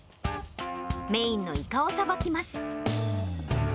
メインのイカをさばきます。